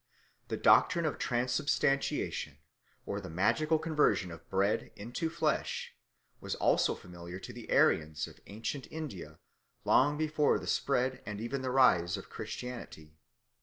The doctrine of transubstantiation, or the magical conversion of bread into flesh, was also familiar to the Aryans of ancient India long before the spread and even the rise of Christianity.